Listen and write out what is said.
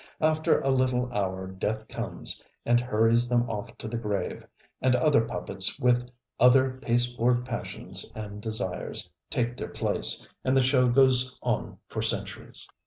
After a little hour death comes and hurries them off to the grave, and other puppets with other ŌĆ£pasteboard passions and desiresŌĆØ take their place, and the show goes on for centuries.